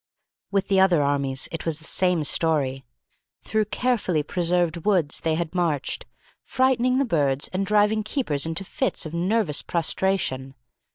With the other armies it was the same story. Through carefully preserved woods they had marched, frightening the birds and driving keepers into fits of nervous prostration.